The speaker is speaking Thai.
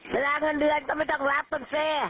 เวลาเงินเดือนก็ไม่ต้องรับบุฟเฟ่